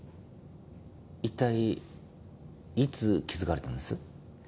一体いつ気づかれたんです？